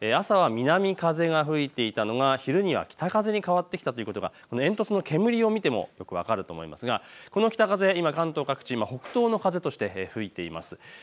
朝は南風が吹いていたのが昼には北風に変わってきたということで煙突の煙を見てもよく分かると思いますがこの北風、北東の風として吹いています。